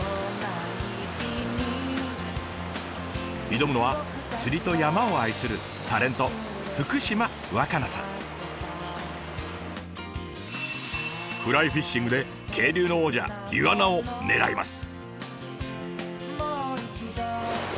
挑むのは釣りと山を愛するフライフィッシングで渓流の王者イワナを狙います。